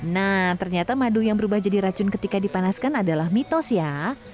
nah ternyata madu yang berubah jadi racun ketika dipanaskan adalah mitos ya